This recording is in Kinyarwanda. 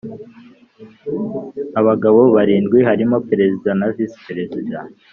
Abagabo barindwi harimo Perezida na Visi Perezida